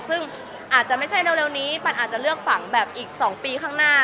ซึ่งอาจจะไม่ใช่เร็วนี้ปันอาจจะเลือกฝังแบบอีก๒ปีข้างหน้า